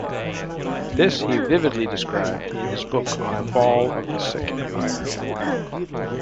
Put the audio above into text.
This he vividly described in his book on the Fall of the Sikh Empire.